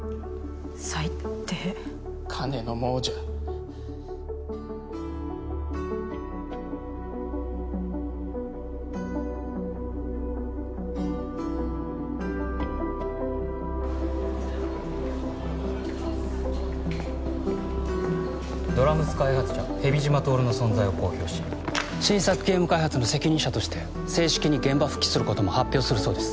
最低金の亡者「ドラ娘」開発者蛇島透の存在を公表し新作ゲーム開発の責任者として正式に現場復帰することも発表するそうです